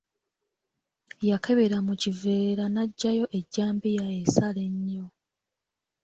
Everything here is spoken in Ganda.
Yakebera mu kiveera n’aggyayo ejjambiya esala ennyo.